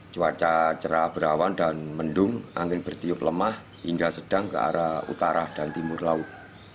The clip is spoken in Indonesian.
cuaca cerah berawan dan mendung angin bertiup lemah hingga sedang ke arah utara dan timur laut